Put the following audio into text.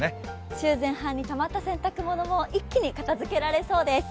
週前半にたまった洗濯物も一気に片づけられそうです。